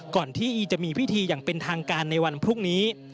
ก่อนที่อีจะมีพิธีอย่างเป็นทางการในวันพรุ่งนี้